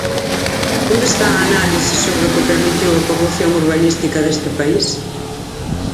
¿Onde está a análise sobre o que permitiu a corrupción urbanística deste país?